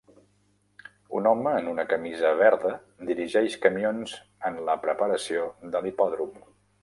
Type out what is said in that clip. Un home en una camisa verda dirigeix camions en la preparació de l'hipòdrom.